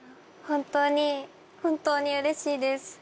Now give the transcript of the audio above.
本当に本当にうれしいです。